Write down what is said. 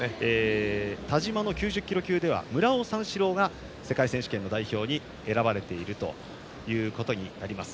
田嶋の９０キロ級では村尾三四郎が世界選手権の代表に選ばれているということになります。